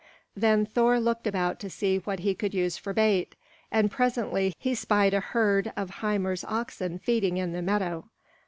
Then Thor looked about to see what he could use for bait; and presently he spied a herd of Hymir's oxen feeding in the meadow.